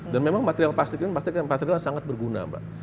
dan memang material plastik ini material plastik ini sangat berguna mbak